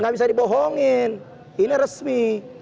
ini saya bercobongin ini resmi